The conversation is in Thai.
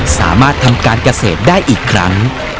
สามารถทำการเกษตรได้อีกครั้ง